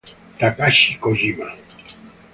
Takashi Kojima